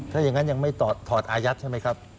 ถ้าอย่างนั้นยังไม่ถอดอายัดใช่ไหมครับ